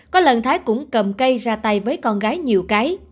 có lần thái cũng cầm cây ra tay với con gái nhiều cái